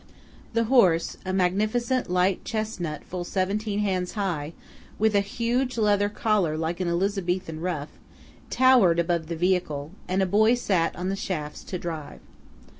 The horse–a magnificent light chesnut full seventeen hands high, with a huge leather collar like an Elizabethan ruff–towered above the vehicle; and a boy sat on the shafts to drive.